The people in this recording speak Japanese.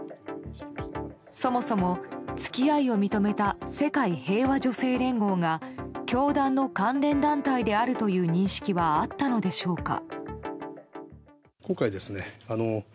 そもそも付き合いを認めた世界平和女性連合が教団の関連団体であるという認識はあったのでしょうか。